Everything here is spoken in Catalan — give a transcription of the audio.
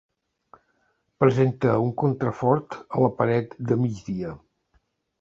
Presenta un contrafort a la paret de migdia.